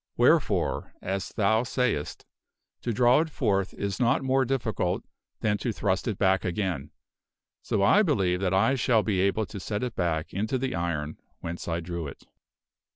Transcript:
Wherefore, as thou sayest, to draw it forth is not more difficult than to thrust it back again. So I believe that I shall be able to set it back into the iron whence I drew it."